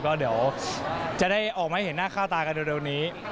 ก็เดี๋ยวจะได้ออกมาให้เห็นหน้าค่าตากันเร็วนี้